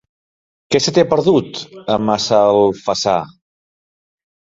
Què se t'hi ha perdut, a Massalfassar?